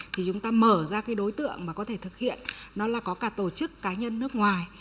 thì chúng ta mở ra cái đối tượng mà có thể thực hiện nó là có cả tổ chức cá nhân nước ngoài